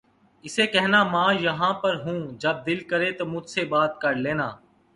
اسے کہنا ماں یہاں پر ہوں جب دل کرے تو مجھ سے بات کر لینا